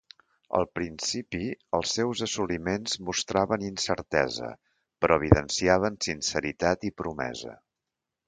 Al principi, els seus assoliments mostraven incertesa, però evidenciaven sinceritat i promesa.